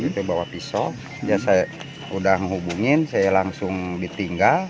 dia bawa pisau dia saya udah ngehubungin saya langsung ditinggal